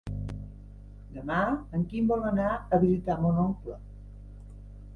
Demà en Quim vol anar a visitar mon oncle.